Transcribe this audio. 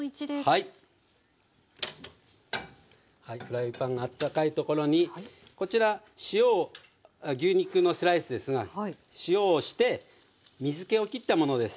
フライパンがあったかいところにこちら牛肉のスライスですが塩をして水けをきったものです。